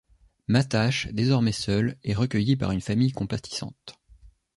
Matache, désormais seul, est recueilli par une famille compatissante.